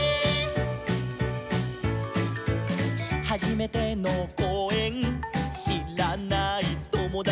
「はじめてのこうえんしらないともだち」